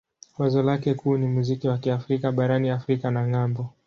Wazo lake kuu ni muziki wa Kiafrika barani Afrika na ng'ambo.